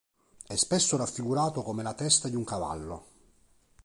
È spesso raffigurato come la testa di un cavallo.